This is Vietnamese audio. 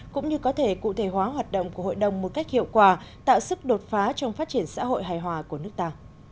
cũng như có thể cụ thể hóa hoạt động của hội đồng một cách hiệu quả tạo sức đột phá trong phát triển xã hội hài hòa của nước ta